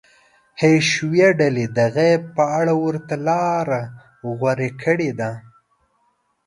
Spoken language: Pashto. حشویه ډلې د غیب په اړه ورته لاره غوره کړې ده.